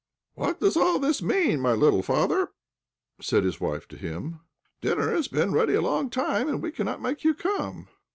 "What does all this mean, my little father?" said his wife to him. "Dinner has been ready a long time, and we cannot make you come."